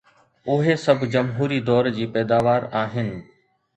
اهي سڀ جمهوري دور جي پيداوار آهن.